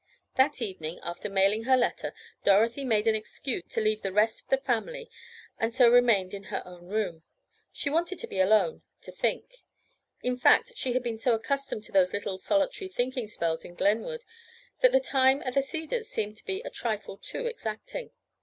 That evening, after mailing her letter, Dorothy made an excuse to leave the rest of the family and so remained in her own room. She wanted to be alone—to think. In fact, she had been so accustomed to those little solitary thinking spells in Glenwood that the time at the Cedars seemed to be a trifle too exacting.